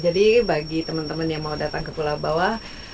jadi bagi teman teman yang mau datang ke pulau bawah